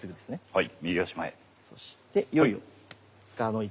はい。